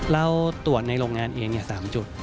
เราตรวจในโรงงานเอง๓จุด